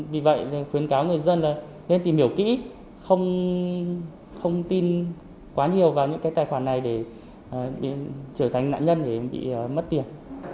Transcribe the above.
vì vậy khuyến cáo người dân là nên tìm hiểu kỹ không tin quá nhiều vào những cái tài khoản này để trở thành nạn nhân để bị mất tiền